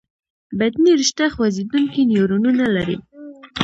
بطني رشته خوځېدونکي نیورونونه لري.